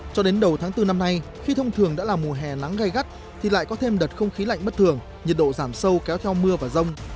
cho đến đầu tháng bốn năm nay khi thông thường đã là mùa hè nắng gây gắt thì lại có thêm đợt không khí lạnh bất thường nhiệt độ giảm sâu kéo theo mưa và rông